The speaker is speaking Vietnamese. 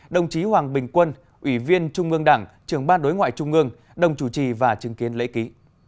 đồng chí hoàng bình quân ủy viên trung ương đảng trưởng ban đối ngoại trung ương đồng chủ trì và chứng kiến lễ ký